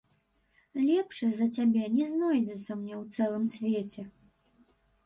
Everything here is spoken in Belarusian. Лепшай за цябе не знойдзецца мне ў цэлым свеце!